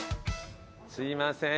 すみません。